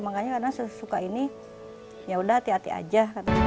makanya karena sesuka ini yaudah hati hati aja